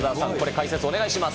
解説お願いしま